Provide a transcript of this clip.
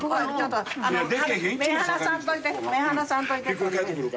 目離さんといて。